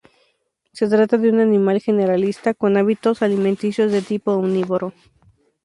Se trata de un animal generalista, con hábitos alimenticios de tipo omnívoro.